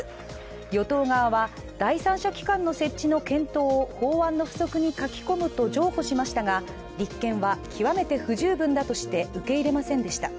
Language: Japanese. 与党側は、第三者機関の設置の検討を法案の附則に書き込むと譲歩しましたが、立憲は極めて不十分だとして受け入れませんでした。